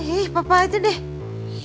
eh papa aja deh